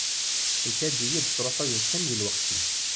Ikad-iyi-d tesruḥayeḍ kan di lweqt-ik.